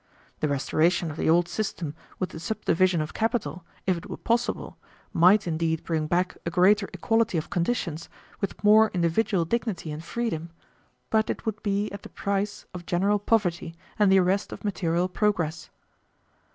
The restoration of the old system with the subdivision of capital, if it were possible, might indeed bring back a greater equality of conditions, with more individual dignity and freedom, but it would be at the price of general poverty and the arrest of material progress.